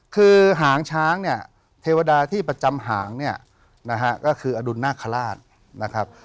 คือหางช้างเนี่ยเทวดาที่ประจำหางเนี่ยนะฮะก็คืออดุลนาคาราชนะครับ